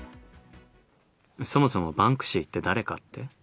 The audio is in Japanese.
そもそもバンクシーって誰かって？